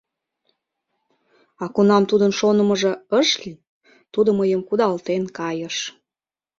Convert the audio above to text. А кунам тудын шонымыжо ыш лий, тудо мыйым кудалтен кайыш.